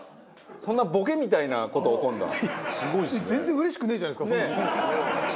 そんなボケみたいな事起こるんだ。